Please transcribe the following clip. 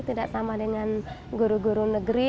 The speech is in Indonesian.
tidak sama dengan guru guru negeri